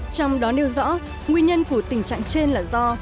trong đó nêu rõ nguyên nhân của tình trạng trên là do